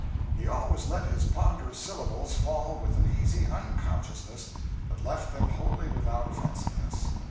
He always let his ponderous syllables fall with an easy unconsciousness that left them wholly without offensiveness.